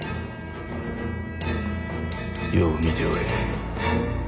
よう見ておれ